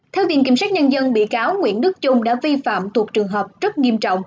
theo viện kiểm sát nhân dân bị cáo nguyễn đức trung đã vi phạm thuộc trường hợp rất nghiêm trọng